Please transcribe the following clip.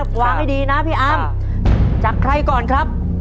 วางให้ดีนะพี่อามจากใครก่อนครับ